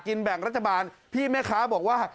กินแบ่งรัฐบาลพี่แม่ค้าบอกว่า